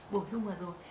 bổ sung là rồi